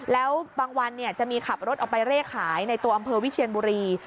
แล้วบางวันจะมีขับรถออกไปเร่ขายในตัวอำเภอวิเชียนบุรี